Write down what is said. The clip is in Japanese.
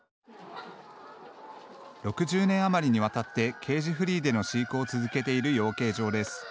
６０年余りにわたってケージフリーでの飼育を続けている養鶏場です。